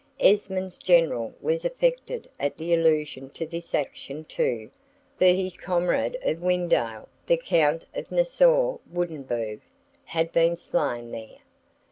Esmond's General was affected at the allusion to this action too, for his comrade of Wynendael, the Count of Nassau Woudenbourg, had been slain there.